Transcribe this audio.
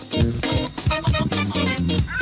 ค่อยเลยล่ะ